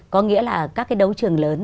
có nghĩa là các cái đấu trường lớn